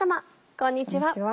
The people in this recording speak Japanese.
こんにちは。